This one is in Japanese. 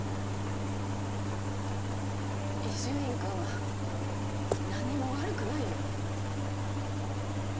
伊集院君は何にも悪くないよ。